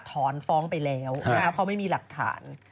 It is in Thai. ถอนฟ้องไปแล้วเขาไม่มีหลักฐาน